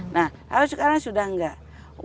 kalau sekarang sudah tidak